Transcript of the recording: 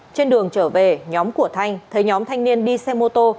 trên đường trở về nhóm của thanh thấy nhóm thanh niên đi xe mô tô